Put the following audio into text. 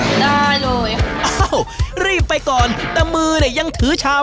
ได้เลยอ้าวรีบไปก่อนแต่มือเนี่ยยังถือชาม